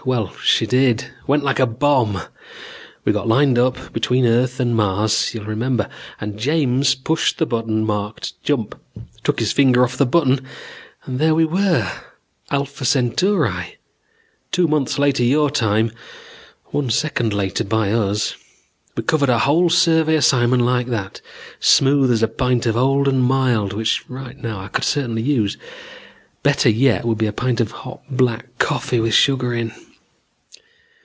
Well, she did. Went like a bomb. We got lined up between Earth and Mars, you'll remember, and James pushed the button marked 'Jump'. Took his finger off the button and there we were: Alpha Centauri. Two months later your time, one second later by us. We covered our whole survey assignment like that, smooth as a pint of old and mild which right now I could certainly use. Better yet would be a pint of hot black coffee with sugar in.